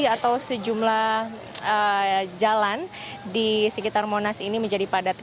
atau sejumlah jalan di sekitar monas ini menjadi padat